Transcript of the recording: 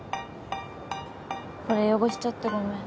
これ汚しちゃってごめん。